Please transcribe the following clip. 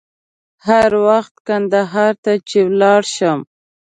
هر وخت کندهار ته چې ولاړ شم.